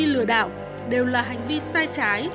hành vi lừa đảo đều là hành vi sai trái